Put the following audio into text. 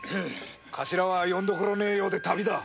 頭はよんどころねえ用で旅だ。